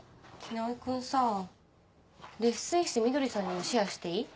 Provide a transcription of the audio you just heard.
蒼君さぁ・レッスン室みどりさんにもシェアしていい？